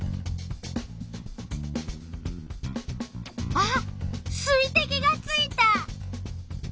あっ水てきがついた！